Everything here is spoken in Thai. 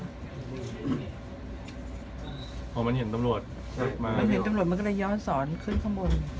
พอมันเห็นตำรวจมันเห็นตำรวจมันก็เลยย้อนสอนขึ้นข้างบน